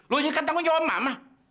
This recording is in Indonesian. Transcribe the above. loh ini kan tanggung jawab mama